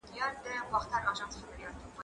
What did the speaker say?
زه به سبا د ښوونځی لپاره تياری کوم.